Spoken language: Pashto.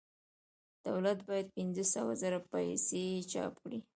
دولت باید پنځه سوه زره پیسې چاپ کړي